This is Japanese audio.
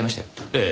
ええ。